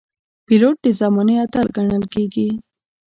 پیلوټ د زمانې اتل ګڼل کېږي.